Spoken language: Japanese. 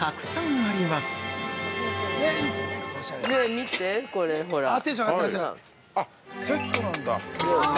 ◆あっ、セットなんだ。